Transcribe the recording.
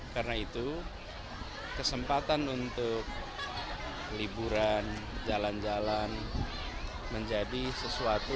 karena itu kesempatan untuk liburan jalan jalan menjadi sesuatu